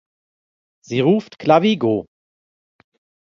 Sie ruft "Clavigo!